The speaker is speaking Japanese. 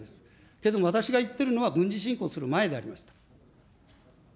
けれども、私が言っているのは、軍事侵攻する前でありまして。